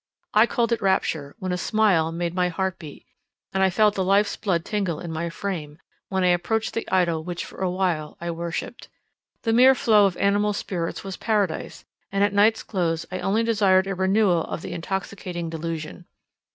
I called it rapture, when a smile made my heart beat; and I felt the life's blood tingle in my frame, when I approached the idol which for awhile I worshipped. The mere flow of animal spirits was Paradise, and at night's close I only desired a renewal of the intoxicating delusion.